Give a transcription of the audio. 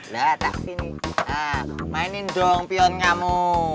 nah tapi nih mainin dong pion kamu